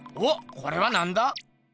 これはなんだ？